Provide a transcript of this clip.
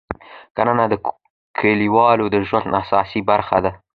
کرنه د کلیوالو د ژوند اساسي برخه ده